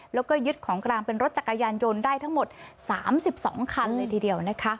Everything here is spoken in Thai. แล้วก็ยึดของกลางเป็นรถจักรยานยนต์ได้ทั้งหมด๓๒คันเลยทีเดียวนะคะ